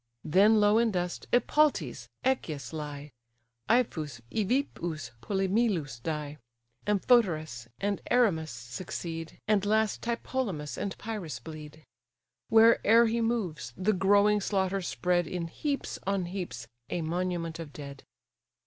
Then low in dust Epaltes, Echius, lie; Ipheas, Evippus, Polymelus, die; Amphoterus and Erymas succeed; And last Tlepolemus and Pyres bleed. Where'er he moves, the growing slaughters spread In heaps on heaps a monument of dead.